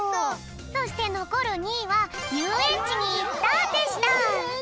そしてのこる２いは「ゆうえんちにいった」でした。